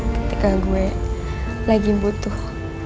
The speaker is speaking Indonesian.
ketika gue lagi butuh